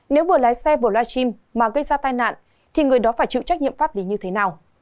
nếu vừa lái xe vừa live stream mà gây ra tai nạn thì người đó phải chịu trách nhiệm pháp lý như thế nào